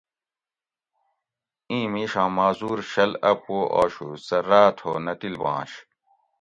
ایں میشاں معذور شُل اَ پو آ شو سہ راۤت ہو نہ تِلباںش